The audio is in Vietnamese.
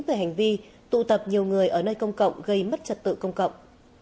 về hành vi tụ tập nhiều người ở nơi công cộng gây mất trật tự công cộng